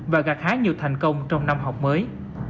và gạt khá nhiều thành công trong năm học mới